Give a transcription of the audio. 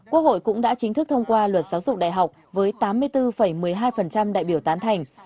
quốc hội cũng đã chính thức thông qua luật giáo dục đại học với tám mươi bốn một mươi hai đại biểu tán thành